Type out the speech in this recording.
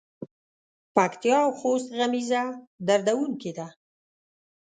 پکتیکا او خوست غمیزه دردوونکې ده.